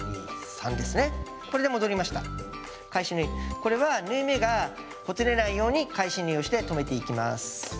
これは縫い目がほつれないように返し縫いをして留めていきます。